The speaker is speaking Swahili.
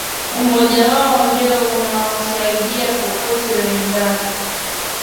Umoja wao ndio unaowasaidia popote waendapo